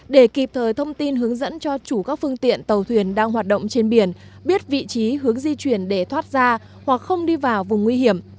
để kịp thời thông tin hướng dẫn cho chủ các phương tiện tàu thuyền đang hoạt động trên biển biết vị trí hướng di chuyển để thoát ra hoặc không đi vào vùng nguy hiểm